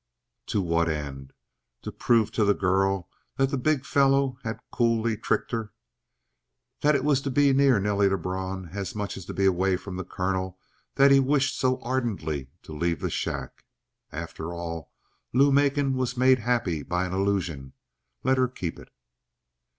To what end? To prove to the girl that the big fellow had coolly tricked her? That it was to be near Nelly Lebrun as much as to be away from the colonel that he wished so ardently to leave the shack? After all, Lou Macon was made happy by an illusion; let her keep it.